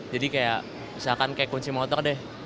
jadi kayak misalkan kayak kunci motor deh